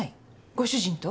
ご主人と？